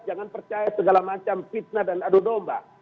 jangan percaya segala macam fitnah dan adodomba